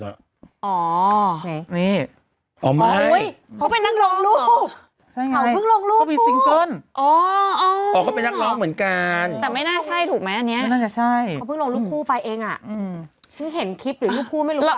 เห็นคลิปหรือทุกคู่ไม่รู้ก็